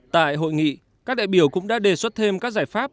tại hội nghị các đại biểu cũng đã đề xuất thêm các giải pháp